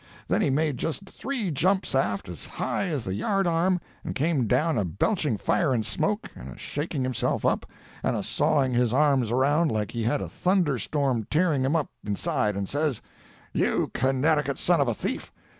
Then he made just three jumps aft as high as the yard arm, and came down a belching fire and smoke, and a shaking himself up, and a sawing his arms around like he had a thunderstorm tearing him up inside and says: "'You Connecticut son of a thief!